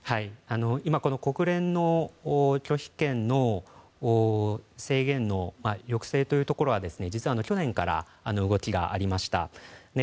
今、国連の拒否権の抑制というのは実は、去年から動きがありました。